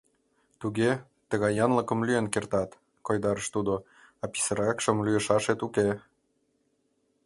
— Туге, тыгай янлыкшым лӱен кертат, — койдарыш тудо, а писыракшым лӱйышашет уке!